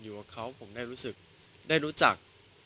อยู่กับเขาผมได้รู้จัก